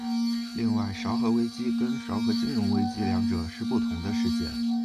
另外昭和危机跟昭和金融危机两者是不同的事件。